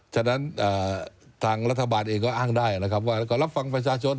ฉะนั้นทางรัฐบาลเองก็อ้างได้นะครับว่าก็รับฟังประชาชน